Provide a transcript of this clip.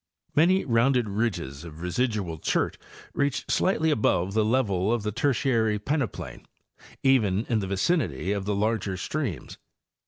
Many rounded ridges of residual chert reach slightly above the level ofthe Tertiary peneplain, even in the vicinity of the larger streams.